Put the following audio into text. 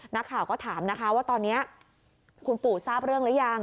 นักข่าวก็ถามนะคะว่าตอนนี้คุณปู่ทราบเรื่องหรือยัง